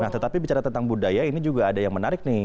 nah tetapi bicara tentang budaya ini juga ada yang menarik nih